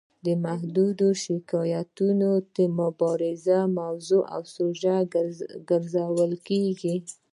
محدود شکایتونه د مبارزې موضوع او سوژه ګرځول کیږي.